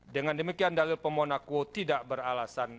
dengan demikian dalil pemohon akuo tidak beralasan